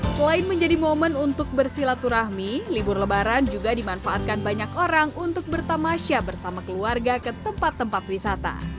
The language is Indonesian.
selain menjadi momen untuk bersilaturahmi libur lebaran juga dimanfaatkan banyak orang untuk bertamasya bersama keluarga ke tempat tempat wisata